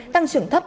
tăng trưởng thấp